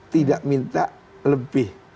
tidak minta lebih